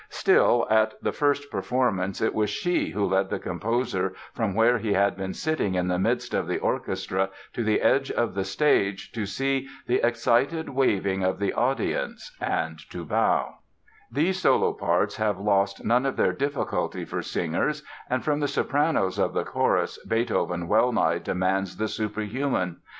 Still, at the first performance it was she who led the composer from where he had been sitting in the midst of the orchestra to the edge of the stage to see the excited waving of the audience and to bow. [Illustration: Beethoven in Vienna, 1820 25. Pen and ink sketch by J. P. Lyser.] These solo parts have lost none of their difficulty for singers, and from the sopranos of the chorus Beethoven well nigh demands the superhuman.